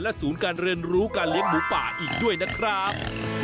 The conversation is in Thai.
ศูนย์การเรียนรู้การเลี้ยงหมูป่าอีกด้วยนะครับ